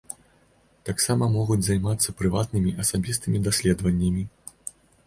Таксама могуць займацца прыватнымі, асабістымі даследаваннямі.